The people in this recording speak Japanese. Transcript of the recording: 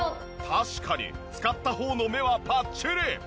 確かに使った方の目はぱっちり。